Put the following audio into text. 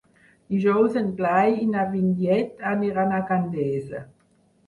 Dijous en Blai i na Vinyet aniran a Gandesa.